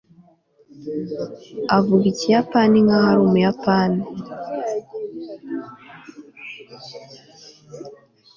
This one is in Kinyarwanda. avuga ikiyapani nkaho ari umuyapani